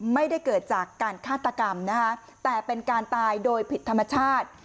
ไม่ได้เกิดจากการฆาตกรรมนะคะแต่เป็นการตายโดยผิดธรรมชาติ